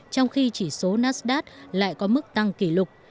trong khi chỉ số nasdad lại có mức tăng kỷ lục